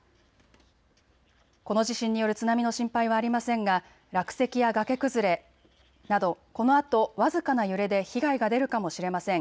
この地震による津波の心配はありませんが落石や崖崩れなどこのあと僅かな揺れで被害が出るかもしれません。